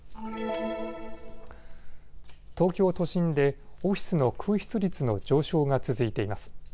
東京都心でオフィスの空室率の上昇が続いています。